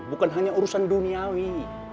bukan hanya urusan duniawi